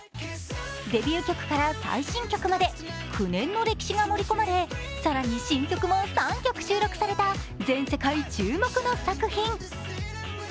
デビュー曲から最新曲まで、９年の歴史が盛り込まれ、更に新曲も３曲収録された全世界注目の作品。